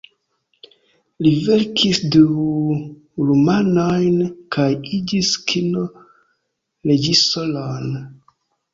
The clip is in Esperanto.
Li verkis du romanojn, kaj iĝis kino-reĝisoron.